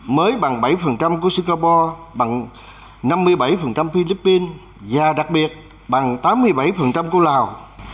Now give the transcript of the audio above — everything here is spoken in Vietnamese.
mới bằng bảy của singapore bằng năm mươi bảy philippines và đặc biệt bằng tám mươi bảy của lào